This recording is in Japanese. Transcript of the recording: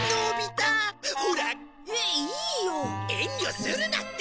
遠慮するなって。